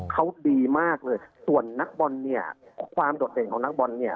เขาดีมากเลยส่วนนักบอลเนี่ยความโดดเด่นของนักบอลเนี่ย